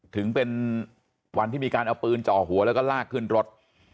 ถึงเป็นวันที่มีการเอาปืนจ่อหัวแล้วก็ลากขึ้นรถ